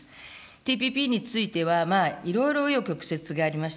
ＴＰＰについては、いろいろう余曲折がありました。